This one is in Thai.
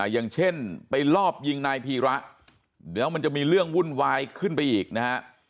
อย่างเช่นไปลอบยิงนายพีระเดี๋ยวมันจะมีเรื่องวุ่นวายขึ้นไปอีกนะฮะ